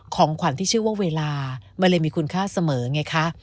ของขวัญที่ชื่อว่าเวลามันเลยมีคุณค่าเสมอไงคะ